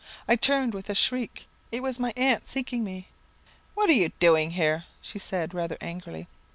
I turned with a shriek; it was my aunt seeking me. 'What are you doing here?' she said, rather angrily.